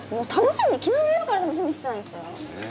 昨日の夜から楽しみにしてたんですよ！